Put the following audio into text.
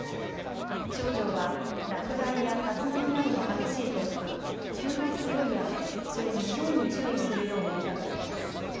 気象庁は落雷や竜巻などの激しい突風、急な強い雨、それにひょうに注意するよう呼びかけています。